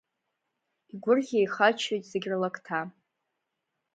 Игәырӷьа-еихаччоит зегь рлакҭа.